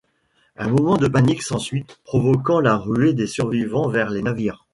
Un moment de panique s'ensuit, provoquant la ruée des survivants vers les navires.